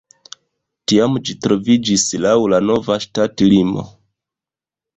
Tiam ĝi troviĝis laŭ la nova ŝtatlimo.